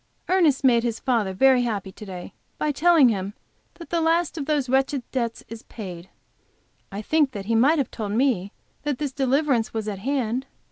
Ernest made his father very happy to day by telling him that the last of those wretched debts is paid. I think that he might have told me that this deliverance was at hand.